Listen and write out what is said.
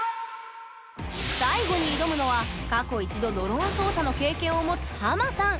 最後に挑むのは過去１度ドローン操作の経験を持つハマさん！